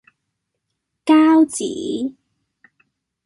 膠紙